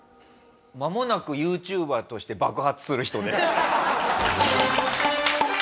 まもなくＹｏｕＴｕｂｅｒとして爆発する人です。